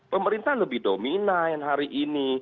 pemerintah lebih dominan hari ini